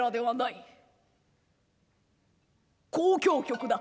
交響曲だ」。